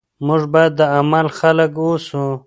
موږ باید د عمل خلک اوسو.